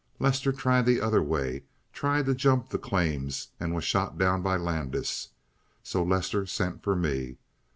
Lester tried the other way; tried to jump the claims; and was shot down by Landis. So Lester sent for me.